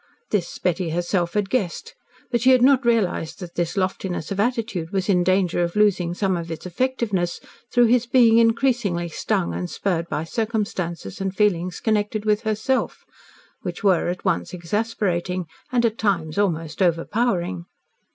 This Betty herself had guessed, but she had not realised that this loftiness of attitude was in danger of losing some of its effectiveness through his being increasingly stung and spurred by circumstances and feelings connected with herself, which were at once exasperating and at times almost overpowering.